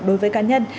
đối với cá nhân